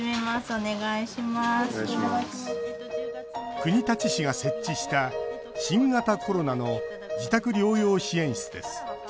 国立市が設置した新型コロナの自宅療養支援室です。